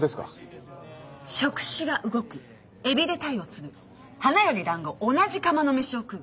「食指が動く」「海老で鯛を釣る」「花より団子」「同じ釜の飯を食う」。